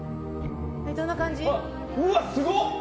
うわ、すごっ！